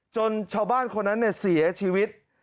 ชาวบ้านคนนั้นเสียชีวิต